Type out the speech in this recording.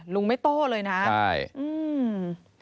ลุงไม่โต้เลยนะครับ